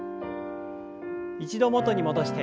一度元に戻して。